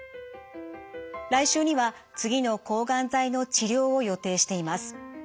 来週には次の抗がん剤の治療を予定しています。